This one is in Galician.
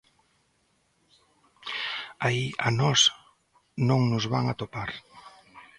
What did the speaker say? Aí a nós non nos van atopar.